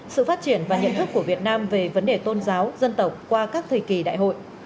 sự phát triển và nhận thức của việt nam về vấn đề tôn giáo dân tộc qua các thời kỳ đại hội